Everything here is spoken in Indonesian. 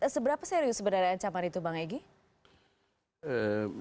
seberapa serius sebenarnya ancaman itu bang egy